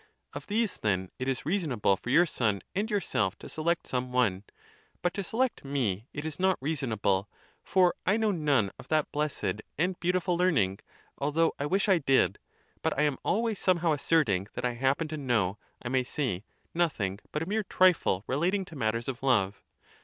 Of these, then, it is reasonable for your son and yourself to select some one; but (to select) me it 1s not reasonable; for I know none of that blessed and beautiful learning, although I wish I did; but Iam always somehow asserting that I happen to know, I may say, nothing but a mere trifle relating to matters of love.